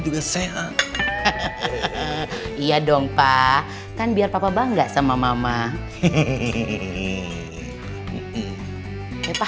juga sehat iya dong pak kan biar papa bangga sama mama hehehe hehehe hehehe hehehe hehehe hehehe